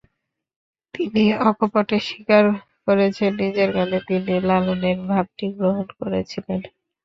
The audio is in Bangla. তিনি অকপটে স্বীকার করেছেন, নিজের গানে তিনি লালনের ভাবটি গ্রহণ করেছিলেন।